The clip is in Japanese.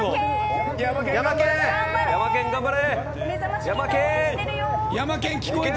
ヤマケン頑張れ。